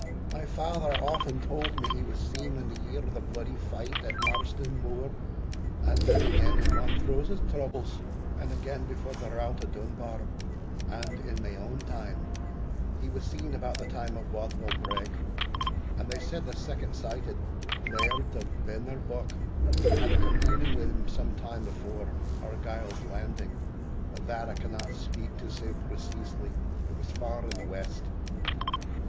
My father aften tauld me he was seen in the year o' the bloody fight at Marston Moor, and then again in Montrose's troubles, and again before the rout o' Dunbar, and, in my ain time, he was seen about the time o' Bothwell Brigg, and they said the second sighted Laird of Benarbuck had a communing wi' him some time afore Argyle's landing, but that I cannot speak to sae preceesely it was far in the west.